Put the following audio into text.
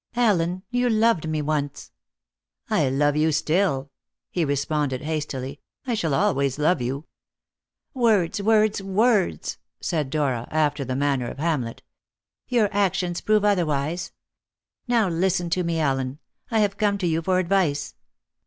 "Allen, you loved me once." "I love you still," he responded hastily. "I shall always love you." "Words, words, words!" said Dora, after the manner of Hamlet. "Your actions prove otherwise. Now listen to me, Allen: I have come to you for advice."